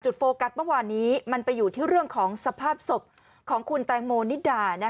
โฟกัสเมื่อวานนี้มันไปอยู่ที่เรื่องของสภาพศพของคุณแตงโมนิดา